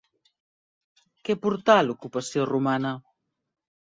Què portà l'ocupació romana?